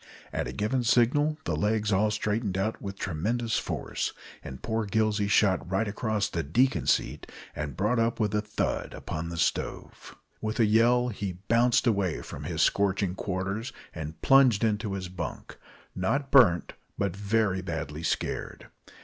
At a given signal the legs all straightened out with tremendous force, and poor Gillsey shot right across the "deacon seat" and brought up with a thud upon the stove. With a yell, he bounced away from his scorching quarters and plunged into his bunk, not burnt, but very badly scared.